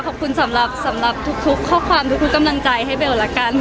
ขอบคุณสำหรับทุกข้อความทุกกำลังใจให้เบลละกัน